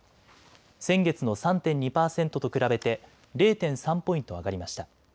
先月の３．２％と比べて０．３ポイント上がりました。